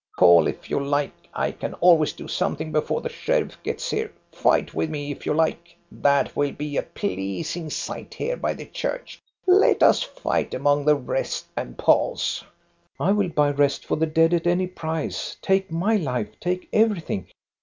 " Call if you like. I can always do something before the sheriff gets here. Fight with me, if you like. That will be a pleasing sight here by the church. Let us fight among the wreaths and palls. I will buy rest for the dead at any price. Take my life, take everything